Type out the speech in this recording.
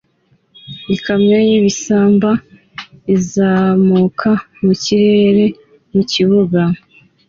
Ikamyo y'ibisimba izamuka mu kirere mu kibuga